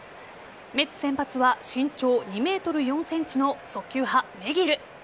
メッツ・先発は身長２ｍ４ｃｍの速球派・メギル。